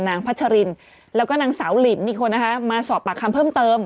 พัชรินแล้วก็นางสาวลินอีกคนนะคะมาสอบปากคำเพิ่มเติม